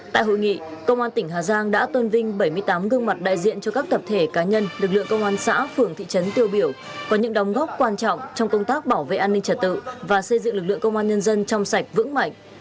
tại hội nghị công an tỉnh hà giang đã tôn vinh bảy mươi tám gương mặt đại diện cho các tập thể cá nhân lực lượng công an xã phường thị trấn tiêu biểu có những đóng góp quan trọng trong công tác bảo vệ an ninh trật tự và xây dựng lực lượng công an nhân dân trong sạch vững mạnh